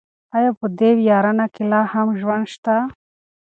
ایا په دې ویرانه کې لا هم ژوند شته؟